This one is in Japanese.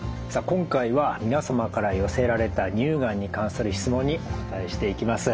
今回は皆様から寄せられた乳がんに関する質問にお答えしていきます。